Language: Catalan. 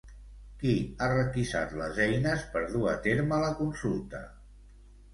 Qui ha requisat les eines per dur a terme la consulta?